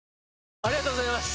ありがとうございます！